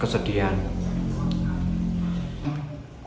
kami merayakan dengan kesedihan